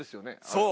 そう。